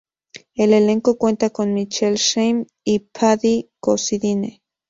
El elenco cuenta con Michael Sheen y Paddy Considine.